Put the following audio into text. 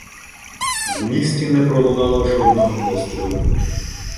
В місті не пролунало жодного пострілу.